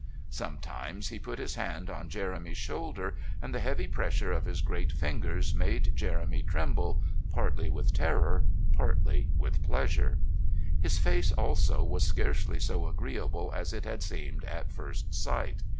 Sometimes he put his hand on Jeremy's shoulder, and the heavy pressure of his great fingers made Jeremy tremble, partly with terror, partly with pleasure. His face, also, was scarcely so agreeable as it had seemed at first sight.